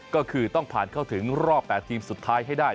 ก็คือต้องผ่านเข้าถึงรอบ๘ทีมสุดท้ายให้ได้